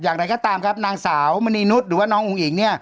อย่างไรก็ตามครับนางสาวมณีนุษย์หรือว่าน้องอุ้งอิ๋งเนี่ย